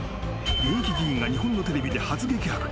現役議員が日本のテレビで初激白。